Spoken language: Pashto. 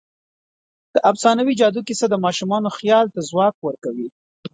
د افسانوي جادو کیسه د ماشومانو خیال ته ځواک ورکوي.